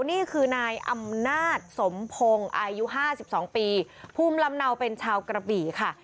นี่คือนายอำนาจสมพงศ์อายุ๕๒ปีภูมิลำเนาเป็นชาวกระบี่ค่ะ